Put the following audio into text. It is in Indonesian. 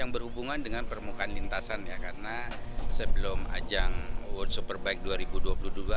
yang berhubungan dengan permukaan lintasan ya karena sebelum ajang world superbike dua ribu dua puluh dua